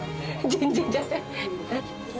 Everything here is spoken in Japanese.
全然じゃない。